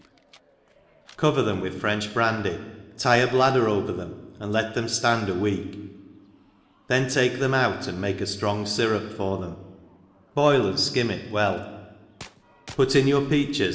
ep, cover them wi^h |r?nc;h brandy, tie a bladder pver them, f^nd let tb^mi ft^nd a week, then uke them out, an4 <n^ke a ftrong fyrup for them, jjoil ^d ftim it well, put in your peaches, and Q.